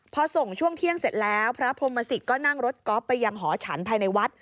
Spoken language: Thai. พอส่งช่วงเที่ยงเสร็จแล้วพระพรมศิษย์ก็นั่งรถก๊อฟไปยังหอฉันภายในวัด